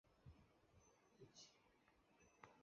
详情可参考职业训练局网站。